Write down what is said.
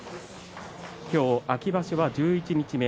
今日、秋場所は十一日目。